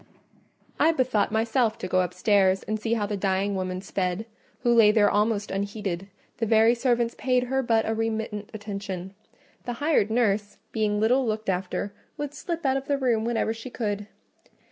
I bethought myself to go upstairs and see how the dying woman sped, who lay there almost unheeded: the very servants paid her but a remittent attention: the hired nurse, being little looked after, would slip out of the room whenever she could.